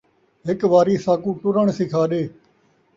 ہک واری ساکوں ٹُرݨ سکھا ݙے